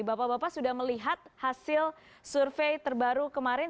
bapak bapak sudah melihat hasil survei terbaru kemarin